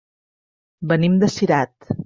Venim de Cirat.